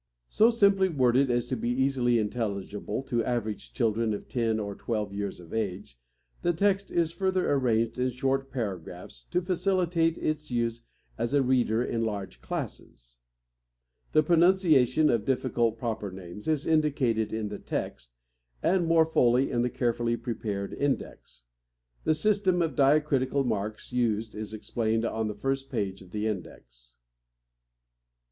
So simply worded as to be easily intelligible to average children of ten or twelve years of age, the text is further arranged in short paragraphs, to facilitate its use as a reader in large classes. The pronunciation of difficult proper names is indicated in the text, and, more fully, in the carefully prepared index. The system of diacritical marks used is explained on the first page of the index.